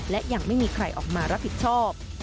และยังไม่มีใครออกมารับผิดชอบ